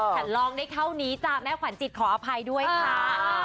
ฉันลองได้เท่านี้จ้ะแม่ขวัญจิตขออภัยด้วยค่ะ